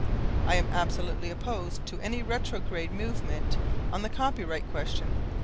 I am absolutely opposed to any retrograde movement on the copyright question.